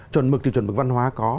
chuẩn mực thì chuẩn mực văn hóa có